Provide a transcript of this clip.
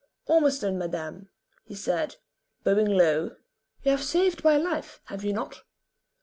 "Ormiston, madame," he said, bowing low. "You have saved my life, have you not?"